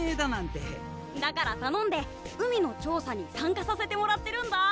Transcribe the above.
だから頼んで海の調査に参加させてもらってるんだ。